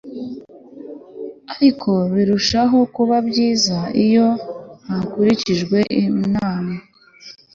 ariko birushaho kuba byiza iyo hakurikijwe inama